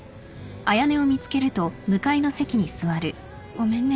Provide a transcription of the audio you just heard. ごめんね。